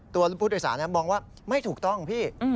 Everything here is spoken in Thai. ตัวผู้โดยสารมองว่าไม่ถูกต้องพี่